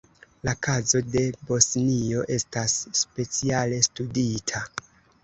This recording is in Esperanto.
La kazo de Bosnio estas speciale studita.